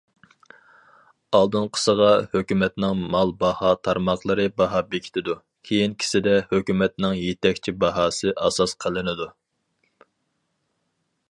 ئالدىنقىسىغا ھۆكۈمەتنىڭ مال باھا تارماقلىرى باھا بېكىتىدۇ، كېيىنكىسىدە ھۆكۈمەتنىڭ يېتەكچى باھاسى ئاساس قىلىنىدۇ.